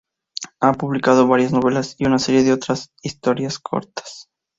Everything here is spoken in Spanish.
Ha publicado varias novelas y una serie de historias cortas.